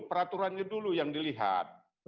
peraturannya dulu yang dilihat